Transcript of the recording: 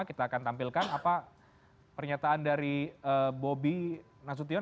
kita akan tampilkan apa pernyataan dari bobi nasution